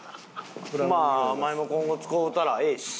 まあお前も今後使うたらええし。